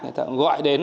người ta gọi đến